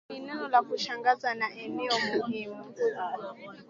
Ni eneo la kushangaza na eneo muhimu